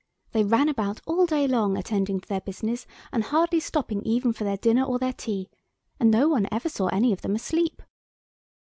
They ran about all day long, attending to their business, and hardly stopping even for their dinner or their tea, and no one ever saw any of them asleep.